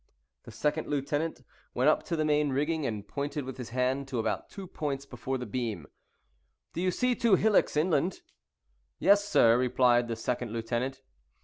The second lieutenant went up the main rigging, and pointed with his hand to about two points before the beam. "Do you see two hillocks, inland?" "Yes, sir," replied the second lieutenant.